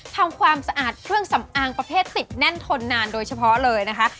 ทำความสะอาดเครื่องสำอางประเภทติดแน่นทนนานโดยเฉพาะเลยนะคะ